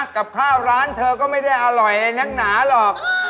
กับข้าวร้านเธอก็ไม่ได้อร่อยนักหนาหรอก